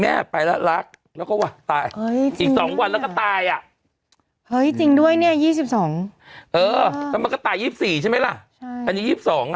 ไห้ฆ่าวันนึงก่อนมันตาย